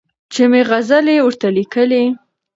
چي مي غزلي ورته لیکلې